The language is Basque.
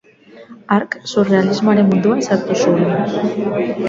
Hark surrealismoaren munduan sartu zuen.